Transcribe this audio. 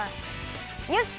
よし！